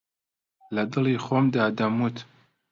لەدڵی خۆمدا دەموت